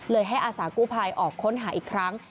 ให้อาสากู้ภัยออกค้นหาอีกครั้ง